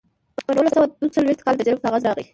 په نولس سوه دوه څلویښت کال د جلب کاغذ راغی